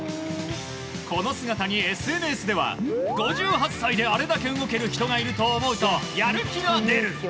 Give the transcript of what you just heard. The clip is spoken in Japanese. この姿にＳＮＳでは、５８歳であれだけ動ける人がいると思うとやる気が出る。